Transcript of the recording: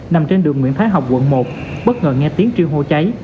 nằm trên đường nguyễn thái học quận một bất ngờ nghe tiếng truyê hô cháy